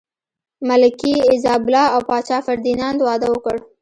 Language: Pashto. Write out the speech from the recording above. ملکې ایزابلا او پاچا فردیناند واده وکړ.